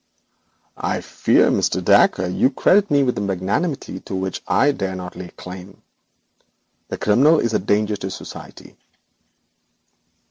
'I fear, Mr. Dacre, you credit me with a magnanimity to which I dare not lay claim. The criminal is a danger to society.'